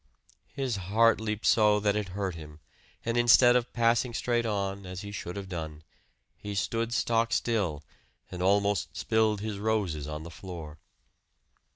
His heart leaped so that it hurt him; and instead of passing straight on, as he should have done, he stood stock still, and almost spilled his roses on the floor.